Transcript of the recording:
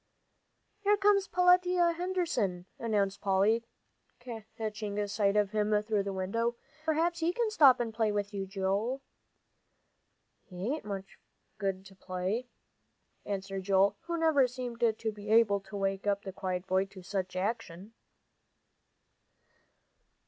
"Here comes Peletiah Henderson," announced Polly, catching sight of him through the window. "Now, p'r'aps he can stop and play with you, Joel." "He ain't much good to play," answered Joel, who never seemed to be able to wake up the quiet boy to much action.